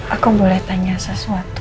aku boleh tanya sesuatu